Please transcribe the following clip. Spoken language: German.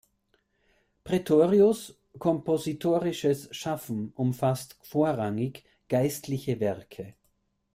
Praetorius’ kompositorisches Schaffen umfasst vorrangig geistliche Werke.